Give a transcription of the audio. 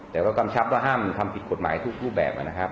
แต่ก็กำชับว่าห้ามทำผิดกฎหมายทุกรูปแบบนะครับ